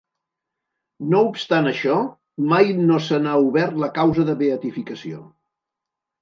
No obstant això, mai no se n'ha obert la causa de beatificació.